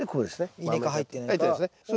イネ科入ってないから。